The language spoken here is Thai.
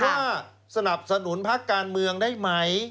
ว่าสนับสนุนพักการเมืองได้ไหม